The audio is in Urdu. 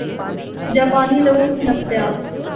جاپانی لوگوں کی نفسیات